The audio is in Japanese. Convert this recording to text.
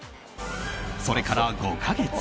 それから５か月